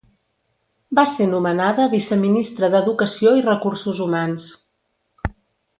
Va ser nomenada viceministra d'Educació i Recursos Humans.